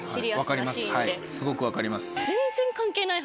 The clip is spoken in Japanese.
はいすごく分かります。